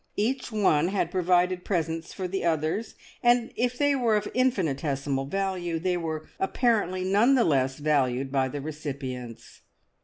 Each one had provided presents for the others, and if they were of infinitesimal value, they were apparently none the less valued by the recipients.